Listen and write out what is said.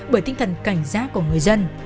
bởi tinh thần cảnh giác của người dân